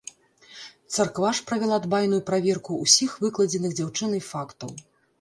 Царква ж правяла дбайную праверку ўсіх выкладзеных дзяўчынай фактаў.